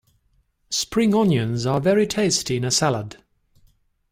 Spring onions are very tasty in a salad